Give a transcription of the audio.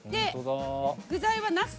で具材はナス。